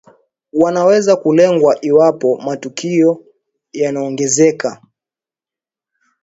wanaweza kulengwa iwapo matukio yanaongezeka